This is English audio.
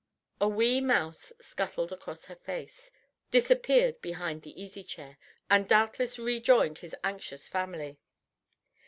A wee mouse scuttled across her face, disappeared behind the easy chair, and doubtless rejoined his anxious family.